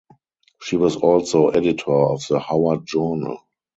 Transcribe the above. She was also editor of the "Howard Journal".